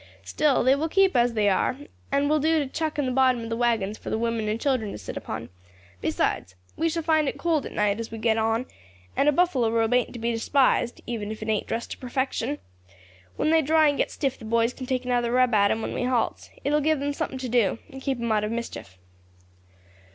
Still, they will keep as they are, and will do to chuck in the bottom of the waggons for the women and children to sit upon; besides, we shall find it cold at night as we get on, and a buffalo robe ain't to be despised, even if it ain't dressed to perfection. When they dry and get stiff the boys can take another rub at 'em when we halts; it will give them something to do, and keep them out of mischief."